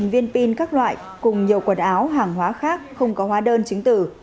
một mươi viên pin các loại cùng nhiều quần áo hàng hóa khác không có hóa đơn chứng tử